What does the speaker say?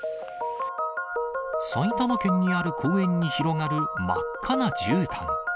埼玉県にある公園に広がる真っ赤なじゅうたん。